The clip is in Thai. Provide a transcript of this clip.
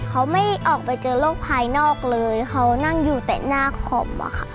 เขาไม่ออกไปเจอโรคภายนอกเลยเขานั่งอยู่แต่หน้าคอมอะค่ะ